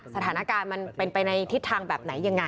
สถานการณ์มันเป็นไปในทิศทางแบบไหนยังไง